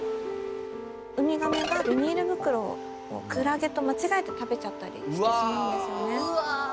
うみがめがビニール袋をクラゲと間違えて食べちゃったりしてしまうんですよね。